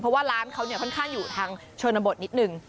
เพราะว่าร้านเขาค่อนข้างอยู่ทางชนบทนิดนึง